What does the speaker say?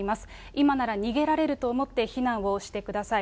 今なら逃げられると思って避難をしてください。